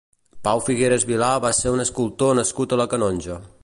Pau Figueras Vilà va ser un escultor nascut a la Canonja.